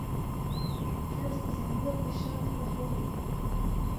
خرس په ځنګل کې شات خوښوي.